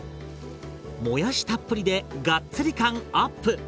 もやしたっぷりでがっつり感アップ！